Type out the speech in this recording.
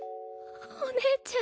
お姉ちゃん。